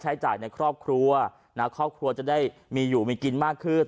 ใช้จ่ายในครอบครัวนะครอบครัวจะได้มีอยู่มีกินมากขึ้น